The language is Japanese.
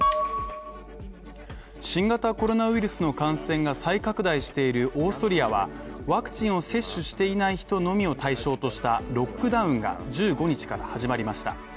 新型コロナウイルスの感染が再拡大しているオーストリアはワクチンを接種していない人のみを対象としたロックダウンが１５日から始まりました